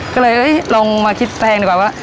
ก็เลยลองมาคิดแพงดีกว่าว่า